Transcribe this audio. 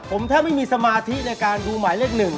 ผมแทบไม่มีสมาธิในการดูหมายเลข๑